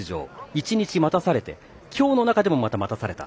１日待たされて今日の中でも、また待たされた。